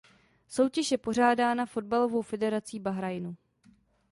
Soutěž je pořádána fotbalovou federací Bahrajnu.